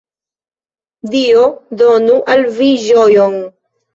Dio donu al vi ĝojon.